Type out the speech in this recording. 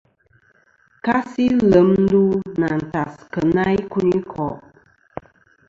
Kasi lem ndu nɨ̀ àntas kena ikunikò'.